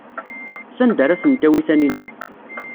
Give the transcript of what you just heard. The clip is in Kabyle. Sanda ara ten-tawi Taninna?